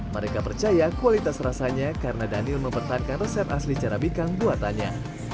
mereka percaya kualitas rasanya karena daniel mempertahankan resep asli cara bikang buatannya